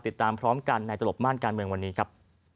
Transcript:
ติดตามพร้อมกันในตลบม่านการเมืองวันนี้ครับ